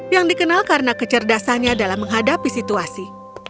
yang dikenal karena kecerdasannya dalam menghadapi situasi